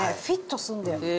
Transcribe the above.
フィットすんだよ